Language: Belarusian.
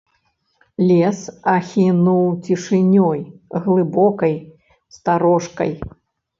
Лес ахінуў цішынёй глыбокай, старожкай.